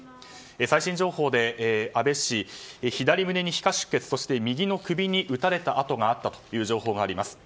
最新情報で安倍氏、左胸に皮下出血そして右の首に撃たれた痕があったという情報があります。